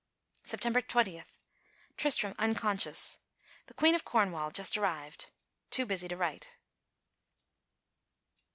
September 20. Tristram unconscious. The Queen of Cornwall just arrived. Too busy to write.